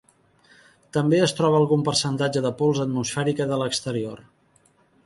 També es troba algun percentatge de pols atmosfèrica de l'exterior.